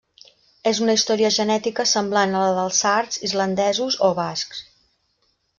És una història genètica semblant a la dels sards, islandesos o bascs.